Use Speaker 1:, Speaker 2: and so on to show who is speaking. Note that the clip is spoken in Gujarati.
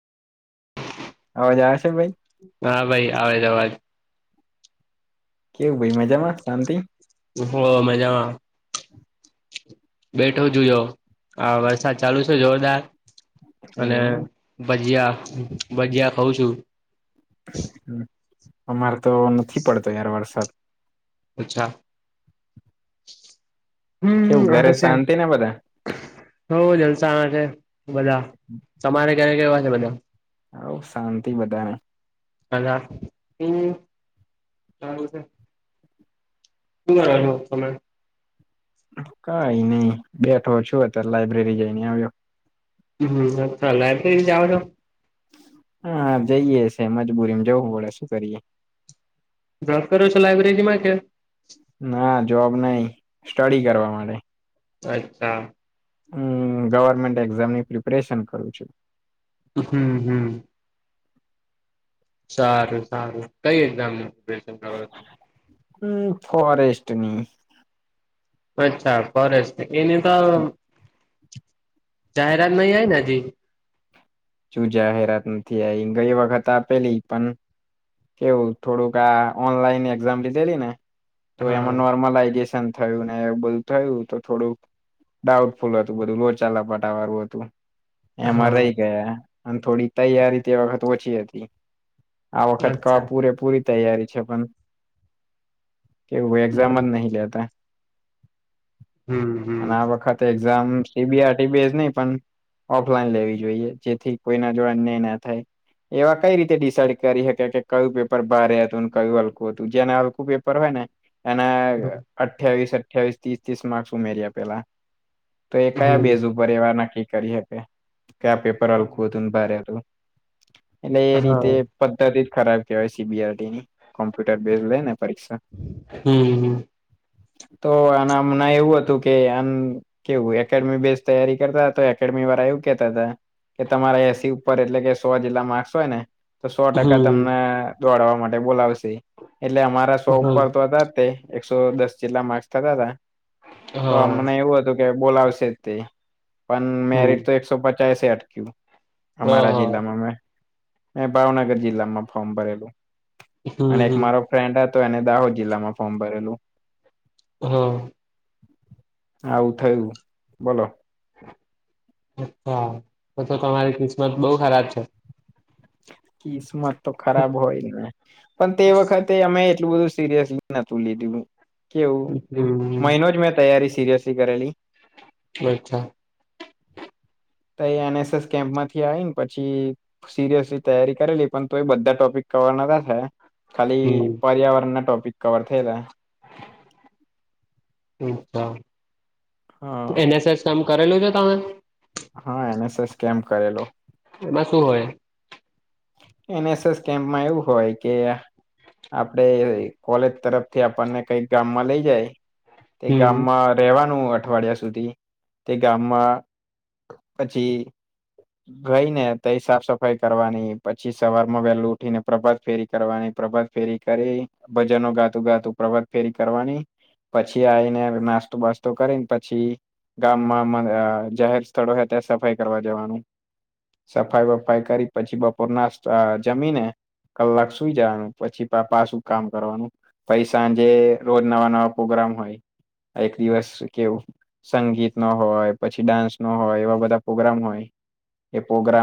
Speaker 1: અવાજ આવેશે ભઈ.
Speaker 2: હા ભાઈ, આવે છે અવાજ
Speaker 1: કેવું, ભઈ? મજામાં? શાંતિ?
Speaker 2: હો, મઝામાં બેઠો, જોયો, આ વરસાદ ચાલુ છે જોરદાર અને
Speaker 1: એવું
Speaker 2: ભજીયા, ભજીયા ખઉં છું.
Speaker 1: અમારે તો નથી પડતો, યાર, વરસાદ
Speaker 2: અચ્છા હુમ
Speaker 1: કેવું ઘરે
Speaker 2: હારું ચાલ
Speaker 1: શાંતિ ને બધા
Speaker 2: હ, જલસામાં છે બધા, તમારે ઘેરે કેવા છે બધા?
Speaker 1: હવ, શાંતિ બધાને
Speaker 2: દાદા હં સારુ છે. શુ કરો છો તમે?
Speaker 1: કાઈ નઈ, બેઠો છું. અત્યારે લાયબ્રેરી જઈને આવ્યો.
Speaker 2: હં ત લાયબ્રેરી જાવાનો?
Speaker 1: હા, જઈએ છે, મજબૂરી જવું પડે, શું કરીએ.
Speaker 2: બકરો ચલાવી અંગેેજી મા કે
Speaker 1: ના, જોબ નઈ, સ્ટડી કરવા માટે.
Speaker 2: અચ્છા.
Speaker 1: હમ, ગવર્મેન્ટ એક્ઝામની પ્રિપરેશન કરું છું.
Speaker 2: હમ-હમ. સારું- સારું, કઈ એક્ઝામની પ્રિપ્રરેશન કરો છો?
Speaker 1: હમ, ફોરેસ્ટની
Speaker 2: અચ્છા ફોરેસ્ટ એની તો જાહેરાત નહીં આવી ને હજી?
Speaker 1: તું જાહેરાત નથી આવી ગઈ વખત આપેલી પણ કેવું થોડુંક આ ઓનલાઈન એકઝામ લીધેલી ને તો
Speaker 2: હા
Speaker 1: એમાં નોર્મલાઈઝેશન? થયું ને, એવું બધું થયું તો થોડુંક ડાઉટફુલ હતું. બધું લોચા લપાટા વાળું હતું. એમાં રહી
Speaker 2: હા
Speaker 1: ગયા, અને થોડી તૈયારી તે વખત ઓછી હતી. આ વખત
Speaker 2: અચ્છા
Speaker 1: પૂરે પૂરી તૈયારી છે, પણ કે એક્ઝામ
Speaker 2: હમ
Speaker 1: જ નહીં લેતા. અને
Speaker 2: હમ
Speaker 1: આ વખતે exam C. B. R T. B. S નહીં પણ ઓફલાઈન લેવી જોઈએ, જેથી કોઈ ના જોડે અ ન્યાય ના થાય. એવા કઈ રીતે ડિસાઈડ કરી શકે કે કયું પેપર ભારે હતું ને કયું હલકું હતું? જેને હલકું પેપર હોય ને, એના
Speaker 2: હમ
Speaker 1: અઠ્ઠાવીસ, અઠ્ઠાવીસ, ત્રીસ, ત્રીસ માર્ક્સ ઉમેર્યા પહેલા તો, એ કયા બેઝ? પરિવાર નક્કી કરી શકે કે પેપર હલકું હતું
Speaker 2: હમ
Speaker 1: કે ભારી હતું. એટલે એ
Speaker 2: હા
Speaker 1: રીતે પદ્ધતિ જ ખરાબ કહેવાય, સીબીઆરટી ની કોમ્પ્યુટર બેઝ લે ને પરીક્ષા.
Speaker 2: હમ, હમ.
Speaker 1: તો આના હમણાં એવું હતું કે આમ કેવું, એકેડેમી બેઝ તૈયારી કરતા તો, એકેડમી વાળા એવું કેતા હતા. કે તમારે એસી ઉપર, એટલે કે સો જેટલા માર્ક્સ હોય ને તો સો
Speaker 2: હમ
Speaker 1: ટકા તમને
Speaker 2: હમ
Speaker 1: દોડવા માટે બોલાવશે, એટલે અમારા સો ઉપર તો હતા તે. એકસો દસ જેટલા માર્ક્સ થતા હતા, તો
Speaker 2: હા
Speaker 1: અમને એવું હતું કે બોલાવશે જ તે. પણ
Speaker 2: હમ
Speaker 1: મેરિટ તો એકસો પચાસ અટક્યું, અમારા
Speaker 2: હા
Speaker 1: જિલ્લામાં મેં. મે ભાવનગર જિલ્લામાં ફોર્મ ભરેલું,
Speaker 2: હમ
Speaker 1: અને એક
Speaker 2: હમ
Speaker 1: મારો ફ્રેન્ડ હતો, એને દાહોદ જિલ્લામાં ફોર્મ ભરેલું.
Speaker 2: હા.
Speaker 1: આવું થયું, બોલો.
Speaker 2: અચ્છા, તો તો તમારી કિસ્મત બહુ ખરાબ છે.
Speaker 1: કિસ્મત તો ખરાબ હોય ને. પણ તે વખતે અમે એટલું બધું સિરિયસલી નતું લીધું. કેવું,
Speaker 2: હમ
Speaker 1: મહિનો જ મેં તૈયારી સિરિયસલી કરેલી.
Speaker 2: અચ્છા.
Speaker 1: તે એ એન. એસ. એસ કેમ્પ માંથી આવી ને પછી. સિરિયસલી તૈયારી કરેલી, પણ તો એ બધા ટોપિક કરવાના ન હતા. ખાલી
Speaker 2: હમ
Speaker 1: પર્યાવરણ ના ટોપિક કવર થયેલા.
Speaker 2: અચ્છા,
Speaker 1: હ
Speaker 2: એન. એસ. એસ કામ કરેલું છે તમે?
Speaker 1: હા, એન. એસ. એસ કેમ્પ કરેલો.
Speaker 2: એમાં શું હોય?
Speaker 1: એન. એસ. એસ કેમ્પમાં એવું હોય કે આપડે કોલેજ તરફ થી આપણને કંઈક ગામમાં લઈ જાય. તે
Speaker 2: હમ
Speaker 1: ગામમાં રહેવાનું અઠવાડિયા સુધી. સુધી તે ગામમાં પછી ગઈ ને, તો એ સાફ સફાઈ કરવાની. પછી સવારમાં વહેલું ઉઠી ને પ્રભાત ફેરી કરવાની, પ્રભાત ફેરી કરી. ભજનો ગાતું ગાતું, પ્રભત ફેરી કરવાની. પછી આવીને, નાસ્તો બાસ્તો કરીને પછી ગામમાં જાહેર સ્થળો છે, ત્યાં સફાઈ કરવા જવાનું. સફાઈ વફાઈ કરી, પછી બપોર ના જમીને. કલાક સુઈ જવાનું, પછી પાપા શું કામ કરવાનું? પઈ સાંજે રોજ નવા નવા પ્રોગ્રામ હોય, એક દિવસ કેવું. સંગીત નો હોય, પછી ડાન્સ નો હોય, એવા બધા પ્રોગ્રામ હોય. એ પ્રગ્રામ